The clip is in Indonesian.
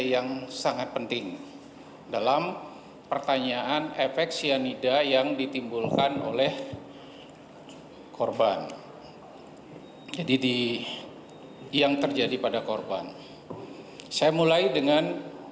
hal ini setelah seni ramai tree dow namanya hasil penyidikan dan kostuma ini tetap terima kasih modern